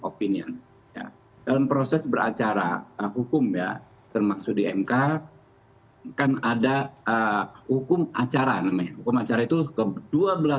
opinion dalam proses beracara hukum ya termasuk dmk kan ada hukum acara hukum acara itu kedua belah